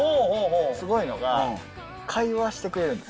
すごいのが、会話してくれるんです。